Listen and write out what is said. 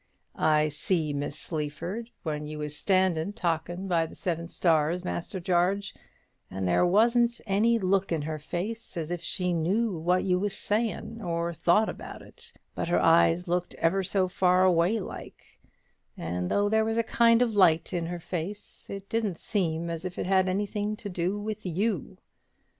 I see Miss Sleaford when you was standin' talkin' by the Seven Stars, Master Jarge, and there wasn't any look in her face as if she knew what you was sayin', or thought about it; but her eyes looked ever so far away like: and though there was a kind of light in her face, it didn't seem as if it had anything to do with you.